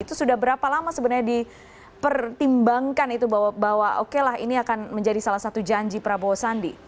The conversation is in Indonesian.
itu sudah berapa lama sebenarnya dipertimbangkan itu bahwa oke lah ini akan menjadi salah satu janji prabowo sandi